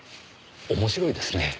面白いですね。